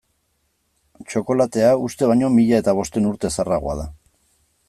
Txokolatea uste baino mila eta bostehun urte zaharragoa da.